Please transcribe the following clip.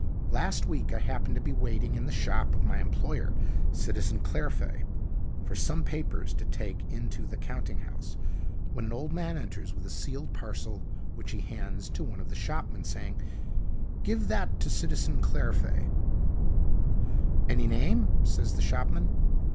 Last week I happened to be waiting in the shop of my employer, Citizen Clairfait, for some papers to take into the counting house, when an old man enters with a sealed parcel, which he hands to one of the shopmen, saying: "'Give that to Citizen Clairfait.' "'Any name?' says the shopman.